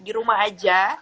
di rumah saja